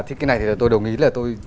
thì cái này thì tôi đồng ý là tôi